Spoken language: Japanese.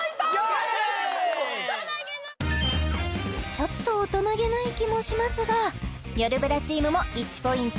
ちょっと大人気ない気もしますがよるブラチームも１ポイント